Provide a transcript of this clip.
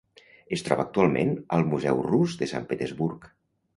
Es troba actualment al Museu Rus de Sant Petersburg.